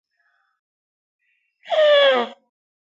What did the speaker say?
The treacherous Vortigern took the throne for himself.